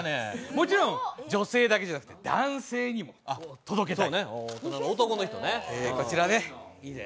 もちろん女性だけじゃなくて男性にも届けたい。